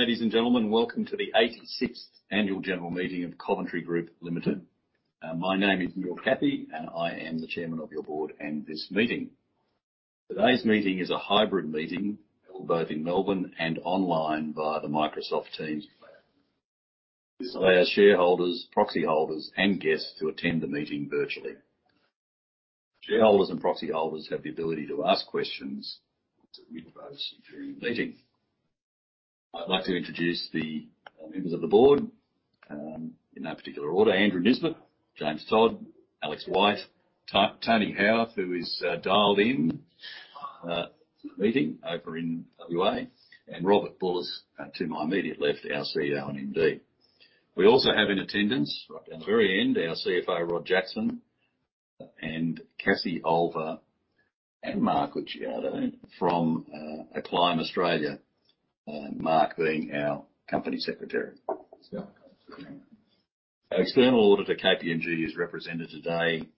Morning, ladies and gentlemen. Welcome to the 86th annual general meeting of Coventry Group Limited. My name is Neil Cathie, and I am the chairman of your board and this meeting. Today's meeting is a hybrid meeting held both in Melbourne and online via the Microsoft Teams platform. This allows shareholders, proxy holders and guests to attend the meeting virtually. Shareholders and proxy holders have the ability to ask questions and cast votes during the meeting. I'd like to introduce the members of the board in no particular order. Andrew Nisbet, James Todd, Alex White, Tony Howarth, who is dialed in to the meeting over in WA, and Robert Bulluss to my immediate left, our CEO and MD. We also have in attendance, right down the very end, our CFO, Rodney Jackson, and Cassie Olver and Mark Licciardo from Acclime, Mark being our company secretary. Our external auditor, KPMG, is represented today,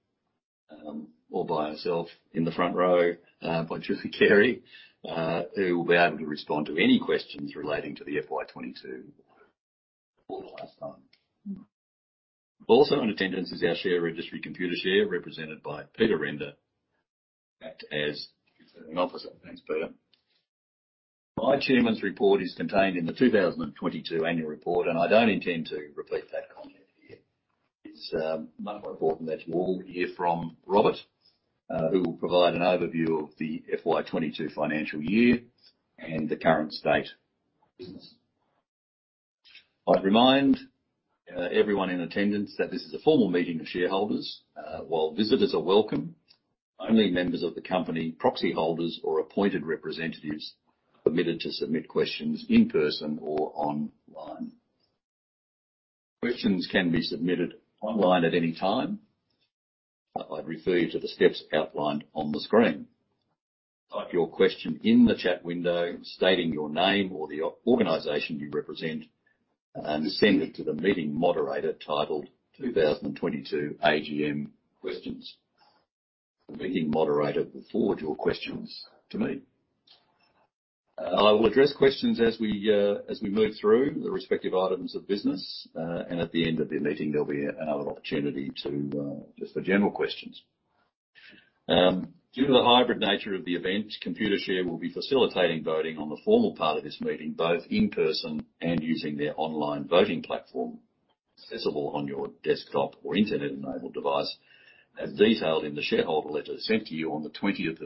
all by herself in the front row, by Julie Carey, who will be able to respond to any questions relating to the FY 2022 audit report last time. Also in attendance is our share registry Computershare, represented by Peter Render. Acting as scrutineer. Thanks, Peter. My chairman's report is contained in the 2022 annual report, and I don't intend to repeat that comment here. It's much more important that you all hear from Robert, who will provide an overview of the FY 2022 financial year and the current state of business. I'd remind everyone in attendance that this is a formal meeting of shareholders. While visitors are welcome, only members of the company, proxy holders or appointed representatives are permitted to submit questions in person or online. Questions can be submitted online at any time. I'd refer you to the steps outlined on the screen. Type your question in the chat window, stating your name or the organization you represent, and send it to the meeting moderator titled 2022 AGM Questions. The meeting moderator will forward your questions to me. I will address questions as we move through the respective items of business. At the end of the meeting, there'll be another opportunity to just for general questions. Due to the hybrid nature of the event, Computershare will be facilitating voting on the formal part of this meeting, both in person and using their online voting platform, accessible on your desktop or internet-enabled device, as detailed in the shareholder letter sent to you on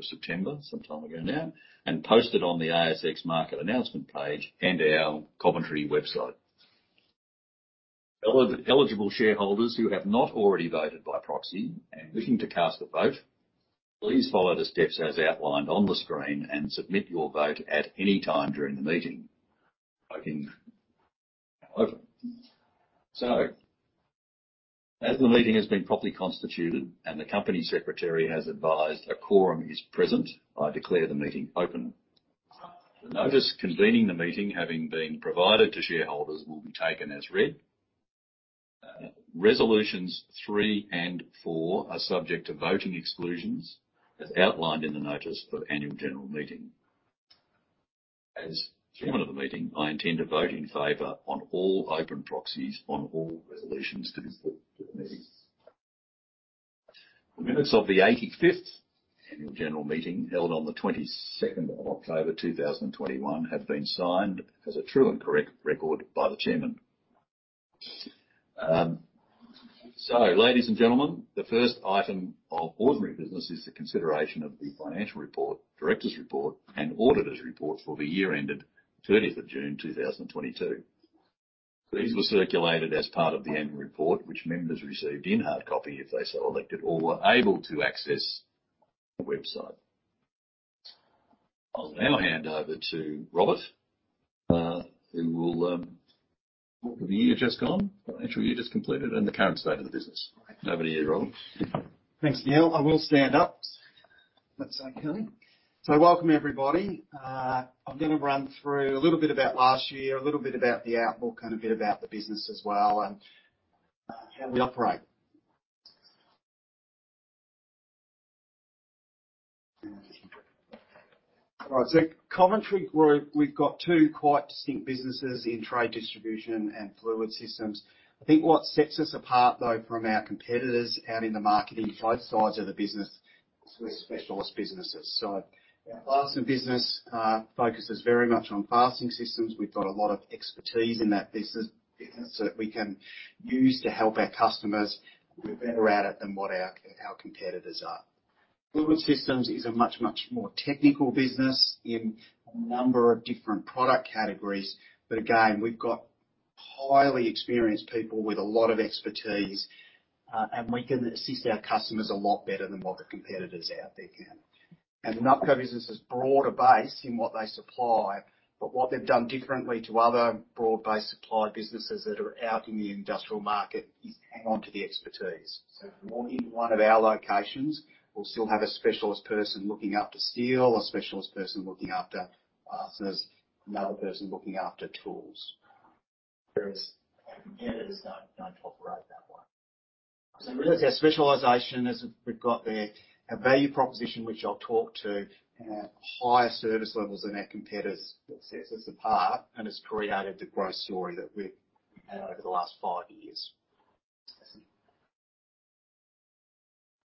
September 20th, some time ago now, and posted on the ASX Market Announcement page and our Coventry website. Eligible shareholders who have not already voted by proxy and looking to cast a vote, please follow the steps as outlined on the screen and submit your vote at any time during the meeting. Voting now open. As the meeting has been properly constituted and the company secretary has advised a quorum is present, I declare the meeting open. The notice convening the meeting, having been provided to shareholders, will be taken as read. Resolutions three and four are subject to voting exclusions as outlined in the notice for annual general meeting. As Chairman of the meeting, I intend to vote in favor on all open proxies on all resolutions to this meeting. The minutes of the 85th annual general meeting, held on October 22nd, 2021, have been signed as a true and correct record by the Chairman. Ladies and gentlemen, the first item of ordinary business is the consideration of the financial report, directors' report, and auditors' reports for the year ended June 30th, 2022. These were circulated as part of the annual report, which members received in hard copy if they so elected or were able to access on our website. I'll now hand over to Robert, who will talk about the year just gone, financial year just completed, and the current state of the business. Over to you, Robert. Thanks, Neil. I will stand up. That's okay. Welcome, everybody. I'm going to run through a little bit about last year, a little bit about the outlook and a bit about the business as well and how we operate. All right. Coventry Group, we've got two quite distinct businesses in Trade Distribution and Fluid Systems. I think what sets us apart though from our competitors out in the market in both sides of the business is we're specialist businesses. Our fastening business focuses very much on fastening systems. We've got a lot of expertise in that business that we can use to help our customers. We're better at it than what our competitors are. Fluid Systems is a much, much more technical business in a number of different product categories. Again, we've got highly experienced people with a lot of expertise, and we can assist our customers a lot better than what the competitors out there can. The Nubco business is broader base in what they supply, but what they've done differently to other broad-based supply businesses that are out in the industrial market is hang on to the expertise. If you walk into one of our locations, we'll still have a specialist person looking after steel, a specialist person looking after fasteners, another person looking after tools. Our competitors don't operate that way. Really it's our specialization as we've got there, our value proposition, which I'll talk to, and our higher service levels than our competitors that sets us apart and has created the growth story that we've had over the last five years.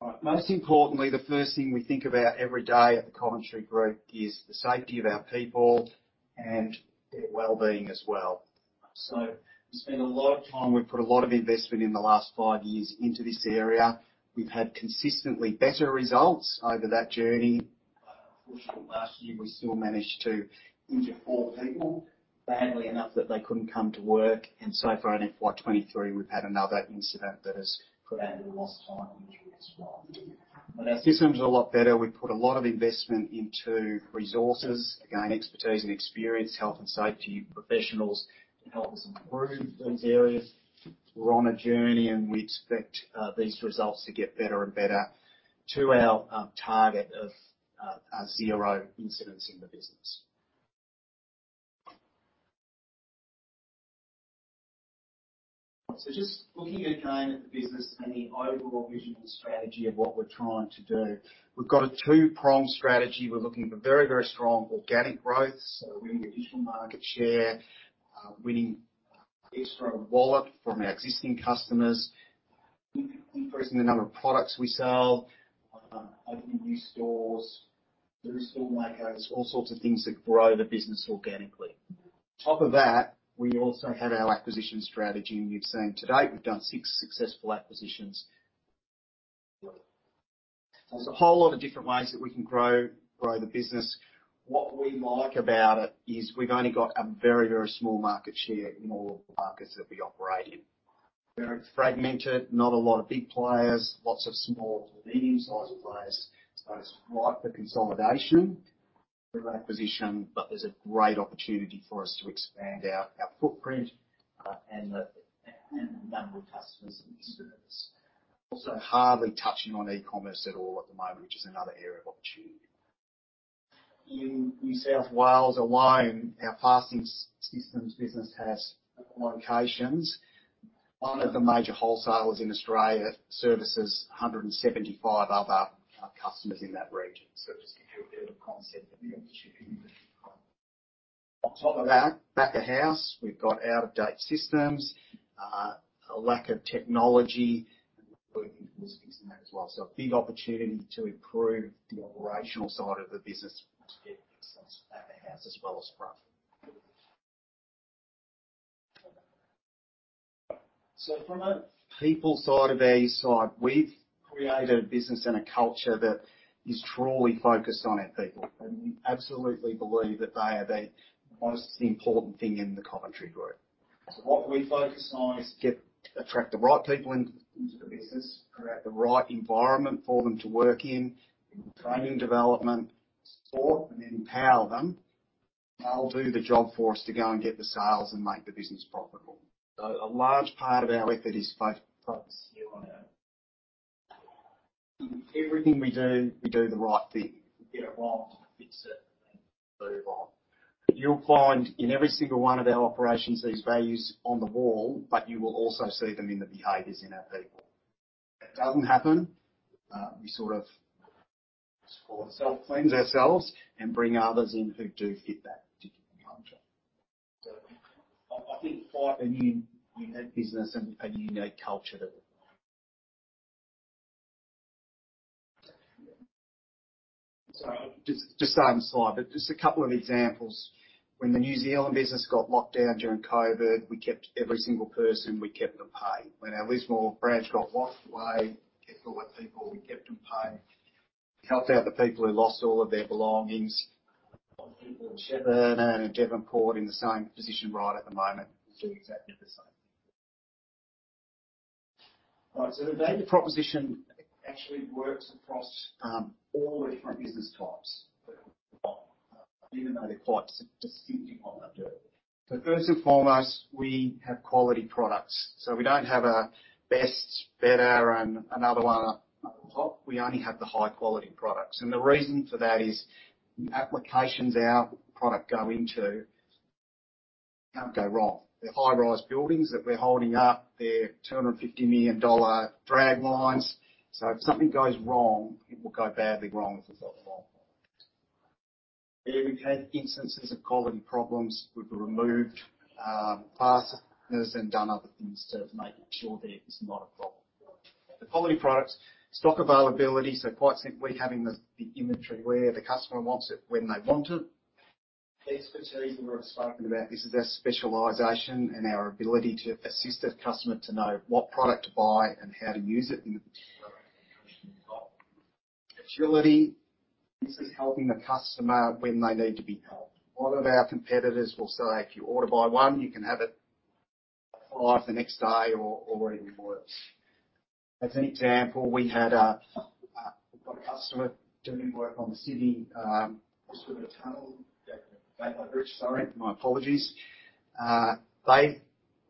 All right. Most importantly, the first thing we think about every day at the Coventry Group is the safety of our people and their wellbeing as well. We spend a lot of time, we've put a lot of investment in the last five years into this area. We've had consistently better results over that journey. Unfortunately, last year, we still managed to injure four people badly enough that they couldn't come to work. So far in FY 2023, we've had another incident that has prevented a lost time injury as well. Our system's a lot better. We've put a lot of investment into resources, again, expertise and experience, health and safety professionals to help us improve these areas. We're on a journey, and we expect these results to get better and better to our target of zero incidents in the business. Just looking again at the business and the overall vision and strategy of what we're trying to do. We've got a two-pronged strategy. We're looking for very, very strong organic growth, so winning additional market share, winning extra wallet from our existing customers, increasing the number of products we sell, opening new stores, through store makeovers, all sorts of things that grow the business organically. On top of that, we also have our acquisition strategy, and you've seen to date we've done six successful acquisitions. There's a whole lot of different ways that we can grow the business. What we like about it is we've only got a very, very small market share in all of the markets that we operate in. Very fragmented, not a lot of big players, lots of small to medium-sized players. It's ripe for consolidation through acquisition, but there's a great opportunity for us to expand our footprint and the number of customers that we service. Also hardly touching on e-commerce at all at the moment, which is another area of opportunity. In New South Wales alone, our fastening systems business has locations. One of the major wholesalers in Australia services 175 other customers in that region. Just to give you a bit of context of the opportunity that we've got. On top of that, back of house, we've got out-of-date systems, a lack of technology, and we're looking to improve things in that as well. A big opportunity to improve the operational side of the business to get excellence back of house as well as front. From a people side of the business, we've created a business and a culture that is truly focused on our people, and we absolutely believe that they are the most important thing in the Coventry Group. What we focus on is attract the right people in, into the business, create the right environment for them to work in, training development, support and empower them. They'll do the job for us to go and get the sales and make the business profitable. A large part of our effort is focused here. In everything we do, we do the right thing. If we get it wrong, we fix it and then move on. You'll find in every single one of our operations these values on the wall, but you will also see them in the behaviors in our people. If that doesn't happen, we sort of support ourself, cleanse ourselves, and bring others in who do fit that particular culture. I think quite a unique business and a unique culture that we have. Sorry, just same slide, but just a couple of examples. When the New Zealand business got locked down during COVID, we kept every single person, we kept them paid. When our Lismore branch got washed away, we kept all our people, we kept them paid. Helped out the people who lost all of their belongings. A lot of people in Shepparton and Devonport in the same position right at the moment. We're doing exactly the same thing. All right. The value proposition actually works across all the different business types that we've got, even though they're quite distinct in what they do. First and foremost, we have quality products. We don't have a best, better and another one up top. We only have the high quality products. The reason for that is the applications our product go into can't go wrong. They're high-rise buildings that we're holding up. They're 250 million dollar drag lines. If something goes wrong, it will go badly wrong if it goes wrong. Where we've had instances of quality problems, we've removed partners and done other things to make sure there is not a problem. The quality products. Stock availability. Quite simply having the inventory where the customer wants it, when they want it. Expertise we've already spoken about. This is our specialization and our ability to assist a customer to know what product to buy and how to use it in the particular application they've got. Agility. This is helping the customer when they need to be helped. A lot of our competitors will say, "If you order by one, you can have it by the next day or even worse." As an example, we've got a customer doing work on the Sydney Harbour Bridge. My apologies. They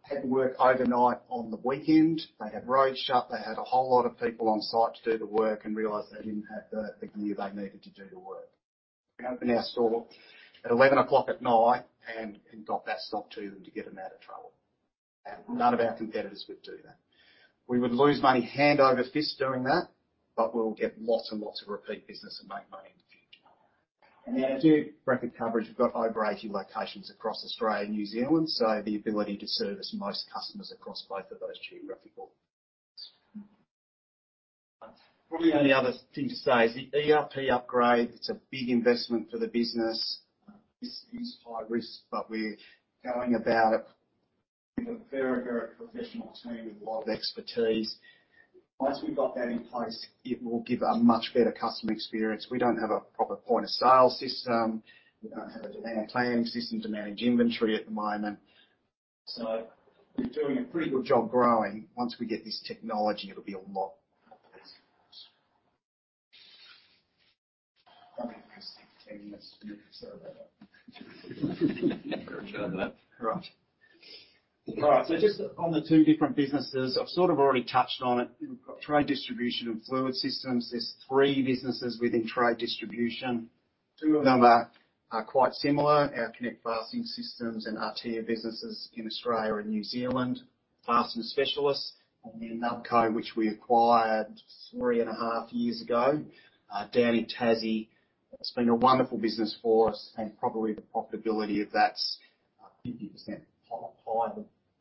had to work overnight on the weekend. They had roads shut. They had a whole lot of people on site to do the work and realized they didn't have the gear they needed to do the work. We opened our store at 11:00 A.M. o'clock at night and got that stock to them to get them out of trouble. None of our competitors would do that. We would lose money hand over fist doing that, but we'll get lots and lots of repeat business and make money in the future. I do record coverage. We've got over 80 locations across Australia and New Zealand, so the ability to service most customers across both of those geographies. Probably only other thing to say is the ERP upgrade. It's a big investment for the business. This is high risk, but we're going about it with a very, very professional team with a lot of expertise. Once we've got that in place, it will give a much better customer experience. We don't have a proper point of sale system. We don't have a demand planning system to manage inventory at the moment, so we're doing a pretty good job growing. Once we get this technology, it'll be a lot easier. I think that's 10 minutes. You can start that up. All right. Just on the two different businesses, I've sort of already touched on it. We've got Trade Distribution and Fluid Systems. There are three businesses within Trade Distribution. Two of them are quite similar. Our Konnect Fastening Systems and Artia businesses in Australia and New Zealand, Fasten Specialists, and then Nubco, which we acquired three and half years ago, down in Tassie. It's been a wonderful business for us and probably the profitability of that's 50% higher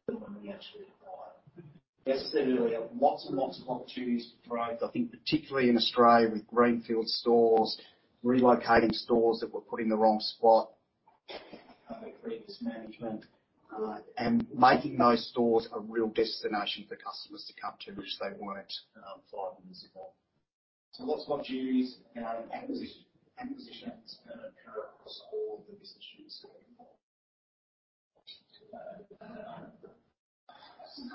than when we actually acquired. As I said earlier, lots and lots of opportunities for growth, I think particularly in Australia with greenfield stores, relocating stores that were put in the wrong spot by previous management, and making those stores a real destination for customers to come to, which they weren't five years ago. Lots of opportunities around acquisition. Acquisitions going to occur across all of the business units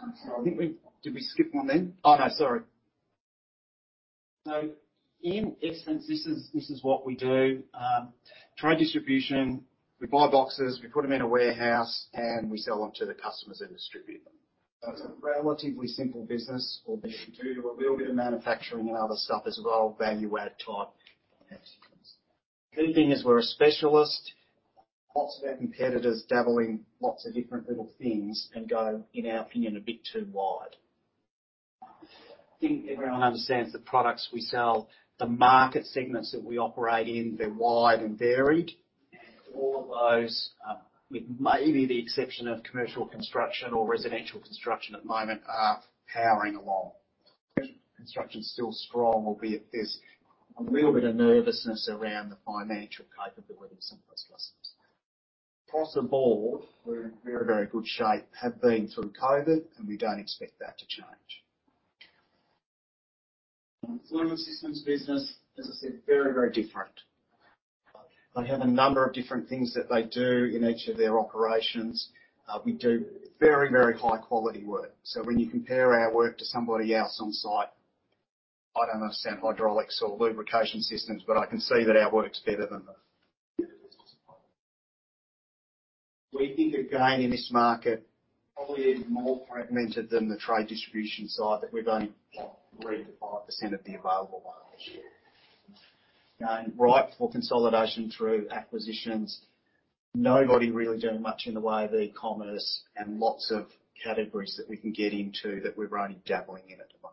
going forward. Did we skip one then? No, sorry. In essence, this is what we do. Trade Distribution, we buy boxes, we put them in a warehouse, and we sell them to the customers that distribute them. It's a relatively simple business. We do a little bit of manufacturing and other stuff as well, value-add type instances. Good thing is we're a specialist. Lots of our competitors dabbling lots of different little things and go, in our opinion, a bit too wide. I think everyone understands the products we sell, the market segments that we operate in, they're wide and varied. All of those, with maybe the exception of commercial construction or residential construction at the moment, are powering along. Construction is still strong, albeit there's a little bit of nervousness around the financial capability of some of those customers. Across the board, we're in very, very good shape. Have been through COVID, and we don't expect that to change. Fluid Systems business, as I said, very, very different. They have a number of different things that they do in each of their operations. We do very, very high-quality work. So when you compare our work to somebody else on site, I don't understand hydraulics or lubrication systems, but I can see that our work's better than them. We think, again, in this market, probably even more fragmented than the Trade Distribution side, that we've only got 3%-5% of the available market share. Going ripe for consolidation through acquisitions. Nobody really doing much in the way of e-commerce and lots of categories that we can get into that we're only dabbling in at the moment.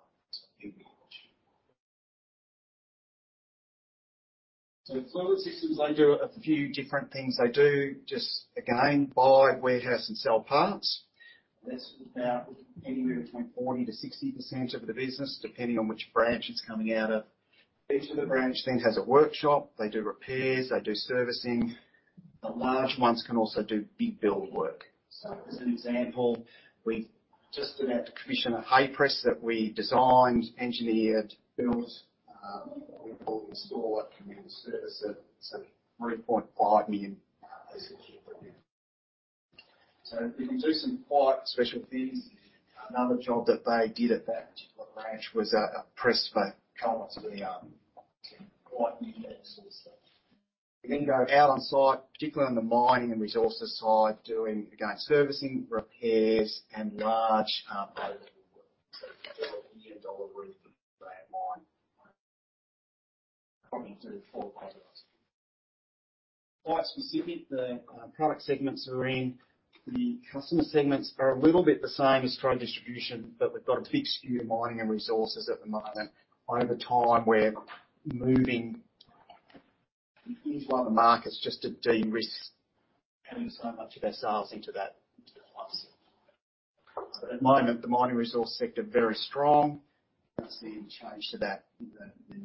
Fluid Systems, they do a few different things. They do just, again, buy, warehouse, and sell parts. That's about anywhere between 40%-60% of the business, depending on which branch it's coming out of. Each of the branch then has a workshop. They do repairs, they do servicing. The large ones can also do big build work. As an example, we've just about to commission a hay press that we designed, engineered, built, we'll install it and service it. It's a AUD 3.5 million piece of equipment. We can do some quite special things. Another job that they did at that particular branch was a press for components in the quite unique sort of stuff. We then go out on site, particularly on the mining and resources side, doing again servicing, repairs, and large mobile work. AUD 1 million roof at a mine, probably two for quite specific. The product segments we're in, the customer segments are a little bit the same as Trade Distribution, but we've got a big skew in mining and resources at the moment. Over time, we're moving into other markets just to de-risk having so much of our sales into that, into the one segment. At the moment, the mining resource sector very strong. Don't see any change to that in the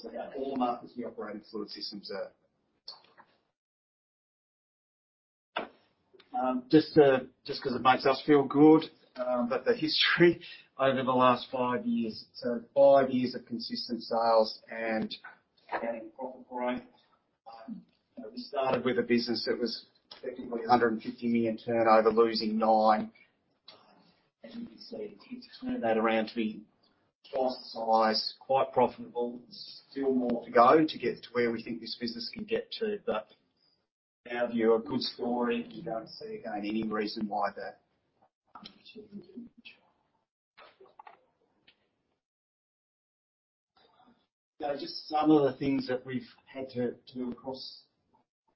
foreseeable. Yeah, all markets we operate in Fluid Systems are. Just because it makes us feel good, but the history over the last five years. Five years of consistent sales and profit growth. We started with a business that was technically 150 million turnover, losing 9 million. As you can see, we've turned that around to be twice the size, quite profitable. Still more to go to get to where we think this business can get to. Our view, a good story. We don't see, again, any reason why that. Just some of the things that we've had to to across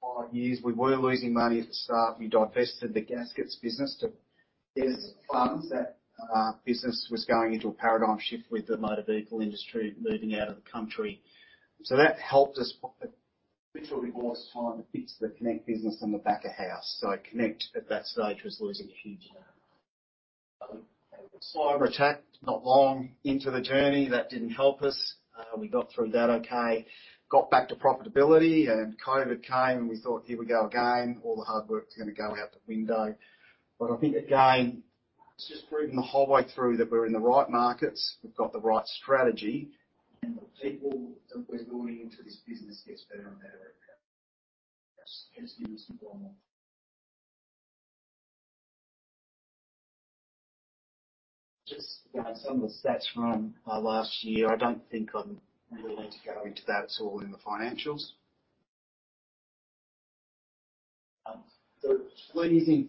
five years, we were losing money at the start. We divested the gaskets business to raise funds. That business was going into a paradigm shift with the motor vehicle industry moving out of the country. That helped us. The pleasing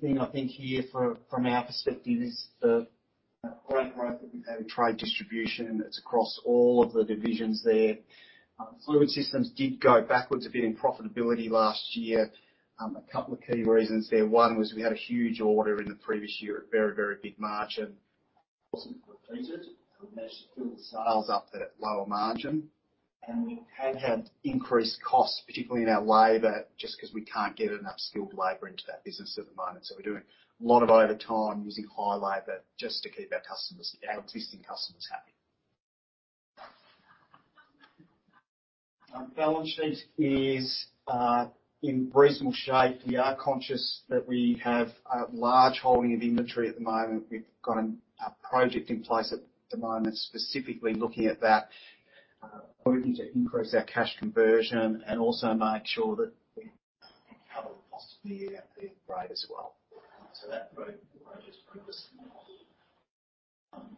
thing I think here, from our perspective, is the great growth that we've had in Trade Distribution, and it's across all of the divisions there. Fluid Systems did go backwards a bit in profitability last year. A couple of key reasons there. One was we had a huge order in the previous year at very, very big margin. Wasn't repeated. We managed to fill the sales up at lower margin, and we have had increased costs, particularly in our labor, just because we can't get enough skilled labor into that business at the moment. We're doing a lot of overtime using high labor just to keep our customers, our existing customers happy. Our balance sheet is in reasonable shape. We are conscious that we have a large holding of inventory at the moment. We've got a project in place at the moment, specifically looking at that. Working to increase our cash conversion and also make sure that we cover the cost of the year at the rate as well. That project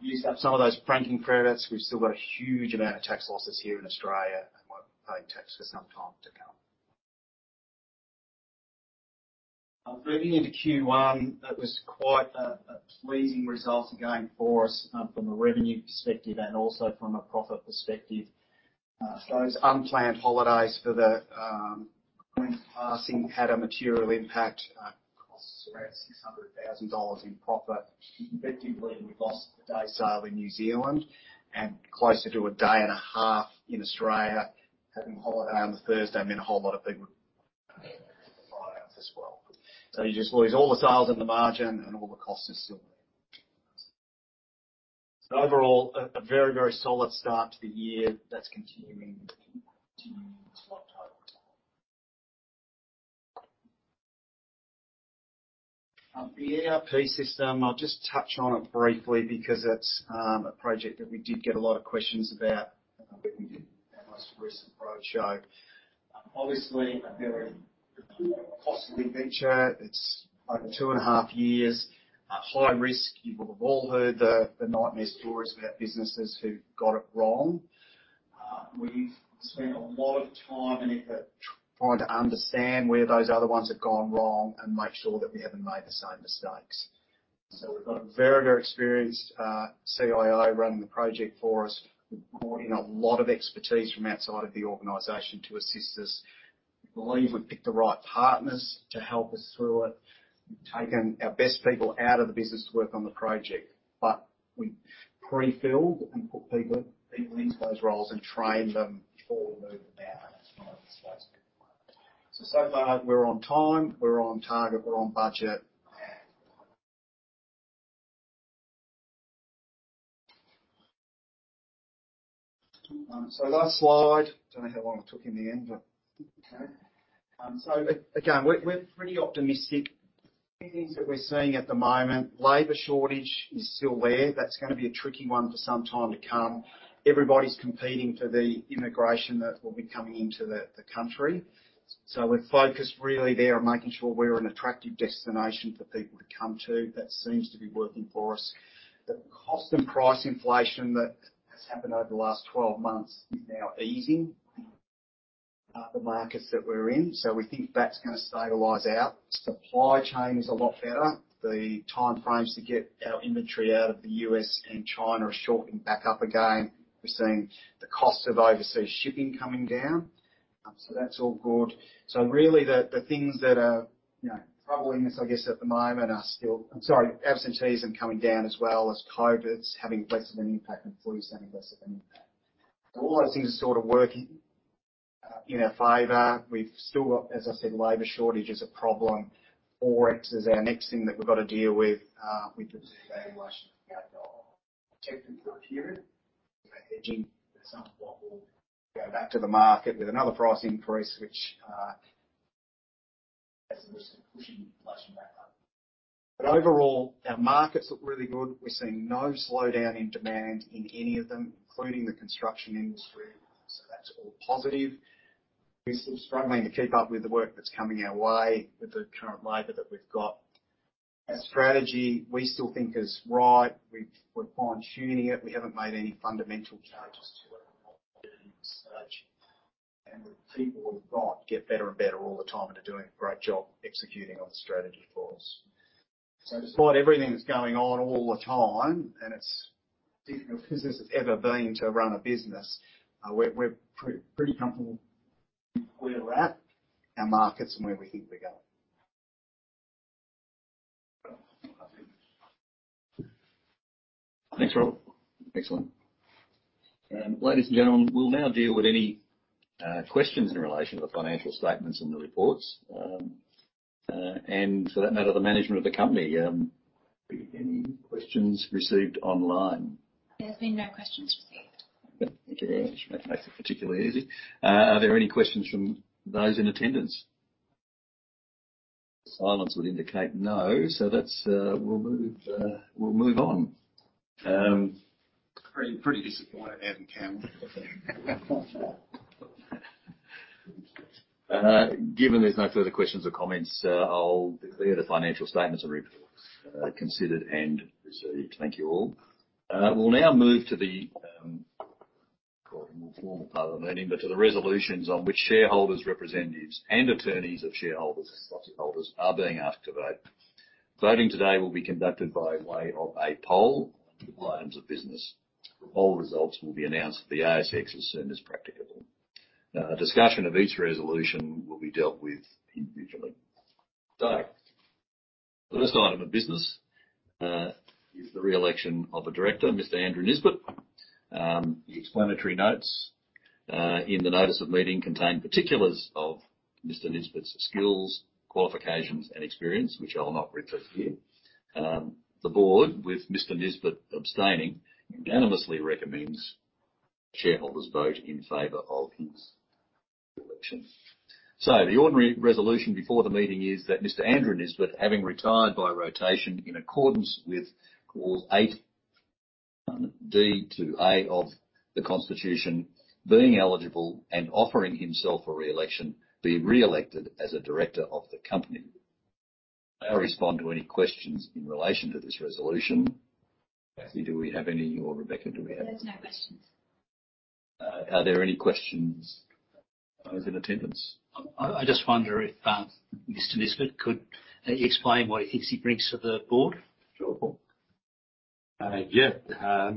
used up some of those franking credits. We've still got a huge amount of tax losses here in Australia, and won't pay tax for some time to come. Moving into Q1, that was quite a pleasing result again for us, from a revenue perspective and also from a profit perspective. Those unplanned holidays for the Queen's passing had a material impact, cost us around 600,000 dollars in profit. Effectively, we lost a day's sale in New Zealand and closer to a day and a half in Australia. [Having a holiday on the Thursday meant a whole lot of people. It was always as we can imagine. Artia Cabinet Hardware Systems, I'll just touch on briefly because that's a project that we did get a lot of questions about. Obviously, a very costly venture. Two and half year, hard risk. You've all heard]. Don't know how long it took in the end, but okay. Again, we're pretty optimistic. Few things that we're seeing at the moment, labor shortage is still there. That's going to be a tricky one for some time to come. Everybody's competing for the immigration that will be coming into the country. We're focused really there on making sure we're an attractive destination for people to come to. That seems to be working for us. The cost and price inflation that has happened over the last 12 months is now easing, the markets that we're in. We think that's going to stabilize out. Supply chain is a lot better. The time frames to get our inventory out of the U.S. and China are shortening back up again. We're seeing the cost of overseas shipping coming down. That's all good. Really, the things that are, you know, troubling us, I guess, at the moment, absenteeism coming down as well as COVID's having less of an impact on employees, having less of an impact. All those things are sort of working in our favor. We've still got, as I said, labor shortage is a problem. Forex is our next thing that we've got to deal with the devaluation of our dollar, protected for a period by hedging. At some point we'll go back to the market with another price increase, which there's a risk of pushing inflation back up. Overall, our markets look really good. We're seeing no slowdown in demand in any of them, including the construction industry. That's all positive. We're still struggling to keep up with the work that's coming our way with the current labor that we've got. Our strategy we still think is right. We're fine-tuning it. We haven't made any fundamental changes to it. People will not get better and better all the time into doing a great job executing on the strategy for us. Despite everything that's going on all the time, and it's difficult business has ever been to run a business, we're pretty comfortable where we're at, our markets and where we think we're going. Thanks, Rob. Excellent. Ladies and gentlemen, we'll now deal with any questions in relation to the financial statements and the reports. For that matter, the management of the company. Any questions received online? There's been no questions received. Good. Thank you. That makes it particularly easy. Are there any questions from those in attendance? Silence would indicate no. Let's move on. Pretty disappointed, Andrew Campbell. Given there's no further questions or comments, I'll declare the financial statements and reports considered and received. Thank you all. We'll now move to the more formal part of the meeting, but to the resolutions on which shareholders, representatives, and attorneys of shareholders and stockholders are being asked to vote. Voting today will be conducted by way of a poll of items of business. Poll results will be announced at the ASX as soon as practicable. Discussion of each resolution will be dealt with individually. The first item of business is the re-election of a director, Mr. Andrew Nisbet. The explanatory notes in the notice of meeting contain particulars of Mr. Nisbet's skills, qualifications, and experience, which I will not repeat here. The board, with Mr. Nisbet abstaining, unanimously recommends shareholders vote in favor of his election. The ordinary resolution before the meeting is that Mr. Andrew Nisbet, having retired by rotation in accordance with Clause 8.1(a) of the Constitution, being eligible and offering himself for re-election, be re-elected as a director of the company. I'll respond to any questions in relation to this resolution. Cassie, do we have any, or Rebecca, do we have any? There's no questions. Are there any questions from those in attendance? I just wonder if Mr. Nisbet could explain what he thinks he brings to the board. Sure, Paul. Yeah.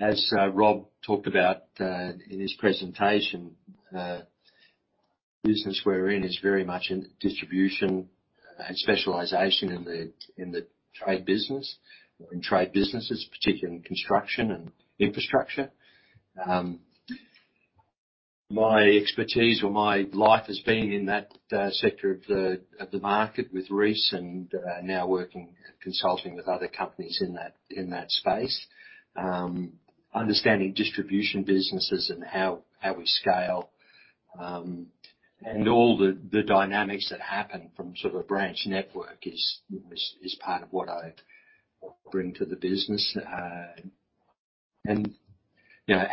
As Rob talked about in his presentation, the business we're in is very much in distribution and specialization in the trade business or in trade businesses, particularly in construction and infrastructure. My expertise or my life has been in that sector of the market with Reece and now working, consulting with other companies in that space. Understanding distribution businesses and how we scale and all the dynamics that happen from sort of a branch network is part of what I bring to the business. You know,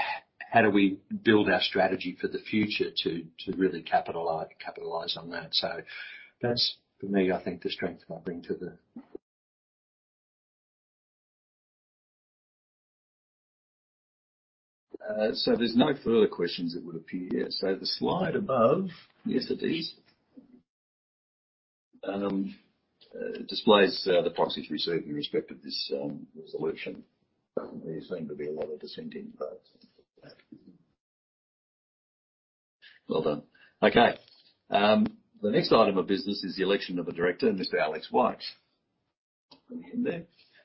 how do we build our strategy for the future to really capitalize on that. That's for me, I think, the strength I bring [to the]. There's no further questions it would appear. The slide above. Yes, it is. displays the proxies received in respect of this resolution. There seem to be a lot of dissenting votes. Well done. Okay. The next item of business is the election of a director, Mr. Alex White. There.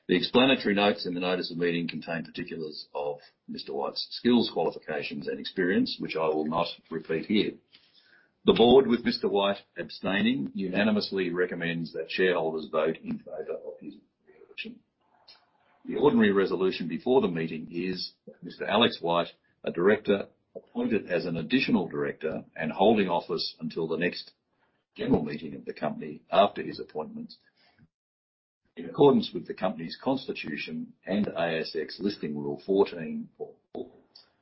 The explanatory notes in the notice of meeting contain particulars of Mr. White's skills, qualifications, and experience, which I will not repeat here. The board, with Mr. White abstaining, unanimously recommends that shareholders vote in favor of his re-election. The ordinary resolution before the meeting is Mr. Alex White, a director appointed as an additional director and holding office until the next general meeting of the company after his appointment. In accordance with the company's constitution and ASX Listing Rule 14.4,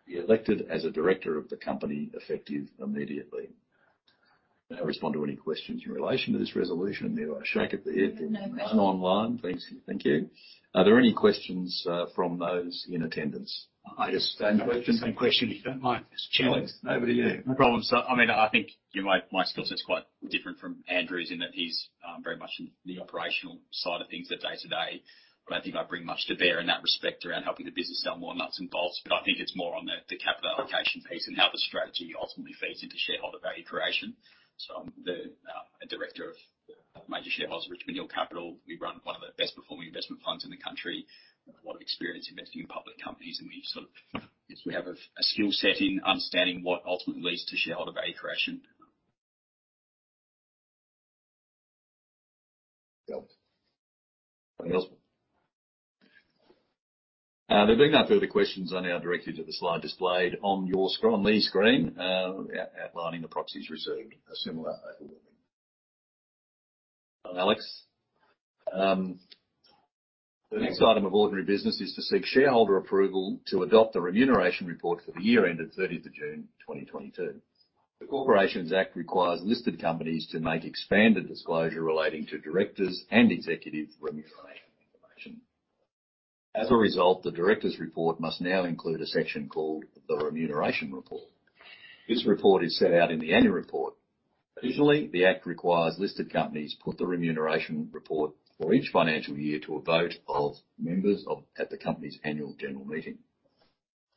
be elected as a director of the company, effective immediately. I'll respond to any questions in relation to this resolution. May I have a show of hands? No questions. None online. Thanks. Thank you. Are there any questions from those in attendance? I just have the same question, if you don't mind. Alex, over to you. No problem. I mean, I think, you know, my skill set's quite different from Andrew's in that he's very much in the operational side of things, the day-to-day. I think I bring much to bear in that respect around helping the business sell more nuts and bolts. I think it's more on the capital allocation piece and how the strategy ultimately feeds into shareholder value creation. I'm a director of a major shareholder, Richmond Hill Capital. We run one of the best performing investment funds in the country. A lot of experience investing in public companies, and we sort of, guess we have a skill set in understanding what ultimately leads to shareholder value creation. Got it. Anything else? There being no further questions, I now direct you to the slide displayed on the screen outlining the proxies received. A similar overwhelming. Alex. The next item of ordinary business is to seek shareholder approval to adopt the remuneration report for the year ended 30th of June 2022. The Corporations Act requires listed companies to make expanded disclosure relating to directors and executive remuneration information. As a result, the directors' report must now include a section called the 'Remuneration Report'. This report is set out in the annual report. Additionally, the act requires listed companies put the remuneration report for each financial year to a vote of members of, at the company's annual general meeting.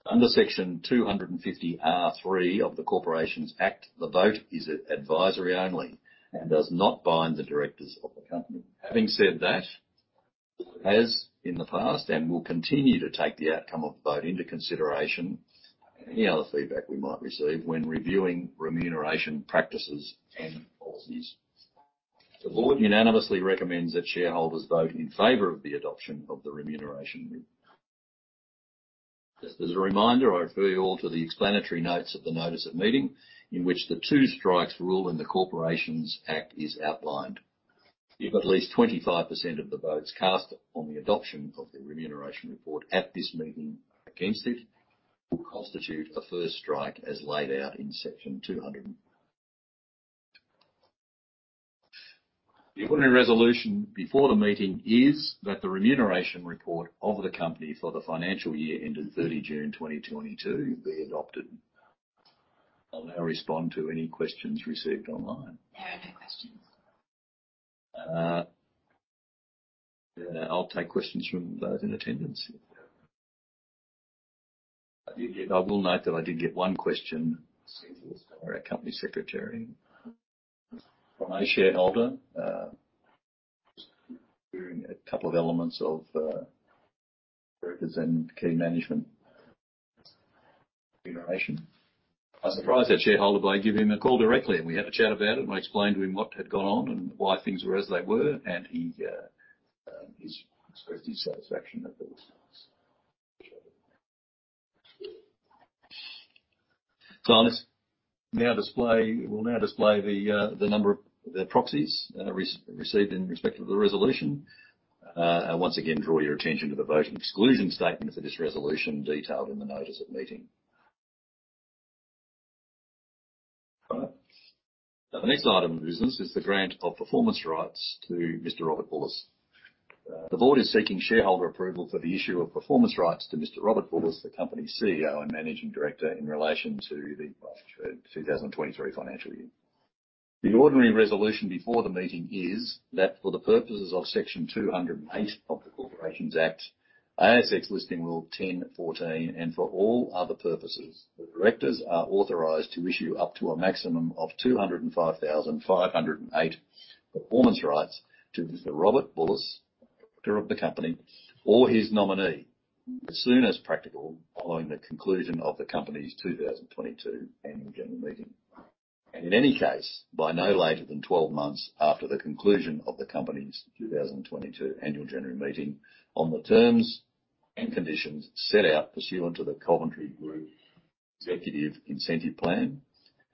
Under Section 250R(3) of the Corporations Act, the vote is advisory only and does not bind the directors of the company. Having said that, as in the past, and will continue to take the outcome of the vote into consideration, and any other feedback we might receive when reviewing remuneration practices and policies. The board unanimously recommends that shareholders vote in favor of the adoption of the remuneration report. Just as a reminder, I refer you all to the explanatory notes of the notice of meeting in which the two-strikes rule in the Corporations Act is outlined. If at least 25% of the votes cast on the adoption of the remuneration report at this meeting are against it will constitute a first strike as laid out in Section 200. The ordinary resolution before the meeting is that the remuneration report of the company for the financial year ending June 30, 2022 be adopted. I'll now respond to any questions received online. There are no questions. I'll take questions from those in attendance. I will note that I did get one question from our company secretary. From a shareholder, concerning a couple of elements of directors and key management remuneration. I surprised that shareholder by giving him a call directly, and we had a chat about it, and I explained to him what had gone on and why things were as they were. He expressed his satisfaction at the results. I'll just now display the number of the proxies received in respect of the resolution. Once again, draw your attention to the voting exclusion statement for this resolution detailed in the notice of meeting. All right. The next item of business is the grant of performance rights to Mr. Robert Bulluss. The board is seeking shareholder approval for the issue of performance rights to Mr. Robert Bulluss, the company's CEO and Managing Director, in relation to the 2023 financial year. The ordinary resolution before the meeting is that for the purposes of Section 208 of the Corporations Act, ASX Listing Rule 10.14, and for all other purposes, the directors are authorized to issue up to a maximum of 205,508 performance rights to Mr. Robert Bulluss, Director of the company, or his nominee as soon as practical following the conclusion of the company's 2022 annual general meeting. In any case, by no later than 12 months after the conclusion of the company's 2022 annual general meeting, on the terms and conditions set out pursuant to the Coventry Group Executive Incentive Plan,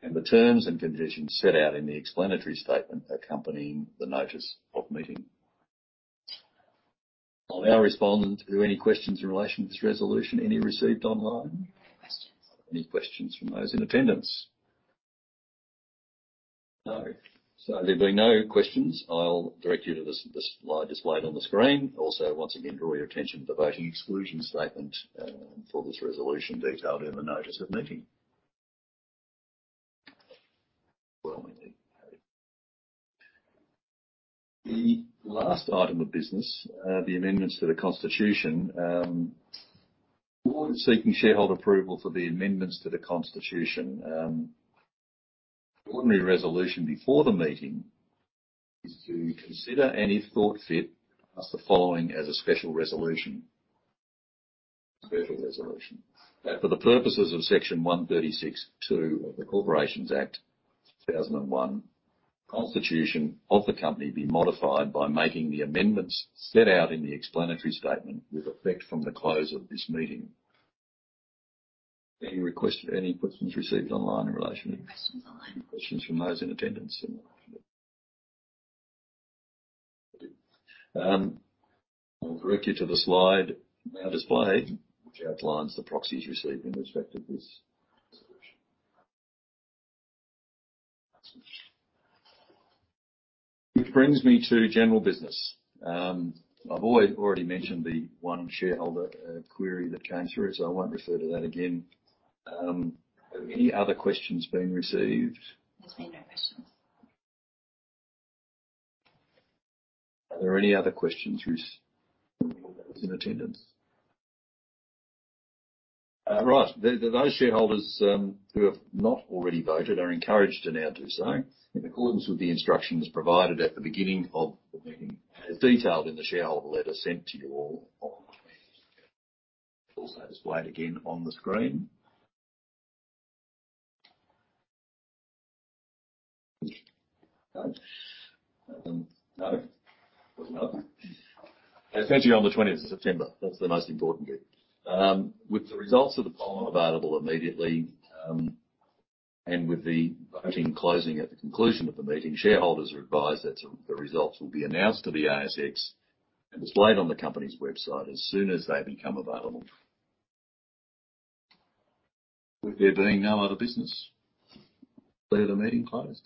and the terms and conditions set out in the explanatory statement accompanying the notice of meeting. I'll now respond to any questions in relation to this resolution. Any received online? No questions. Any questions from those in attendance? No. There being no questions, I'll direct you to the this slide displayed on the screen. Also, once again, draw your attention to the voting exclusion statement for this resolution detailed in the notice of meeting. The last item of business, the amendments to the Constitution. The board is seeking shareholder approval for the amendments to the Constitution. The ordinary resolution before the meeting is to consider, and if thought fit, pass the following as a special resolution. That for the purposes of Section 136(2) of the Corporations Act 2001, Constitution of the company be modified by making the amendments set out in the explanatory statement with effect from the close of this meeting. Any request or any questions received online in relation to this? No questions online. Any questions from those in attendance? I'll direct you to the slide now displayed, which outlines the proxies received in respect of this resolution. Which brings me to general business. I've already mentioned the one shareholder query that came through, so I won't refer to that again. Have any other questions been received? There's been no questions. Are there any other questions received from those in attendance? Right. Those shareholders who have not already voted are encouraged to now do so in accordance with the instructions provided at the beginning of the meeting, as detailed in the shareholder letter sent to you all online. Also displayed again on the screen. No? No. Especially on the September 30th. That's the most important bit. With the results of the poll available immediately, and with the voting closing at the conclusion of the meeting, shareholders are advised that the results will be announced to the ASX and displayed on the company's website as soon as they become available. With there being no other business, I declare the meeting closed.